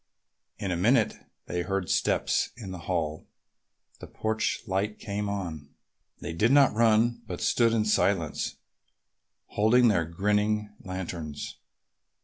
In a minute they heard steps in the hall and the porch light came on. They did not run but stood in silence, holding their grinning lanterns.